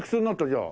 じゃあ。